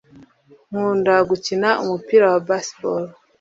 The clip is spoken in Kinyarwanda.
nkunda gukina umupira wa baseball